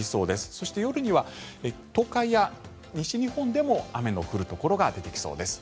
そして、夜には東海や西日本でも雨の降るところが出てきそうです。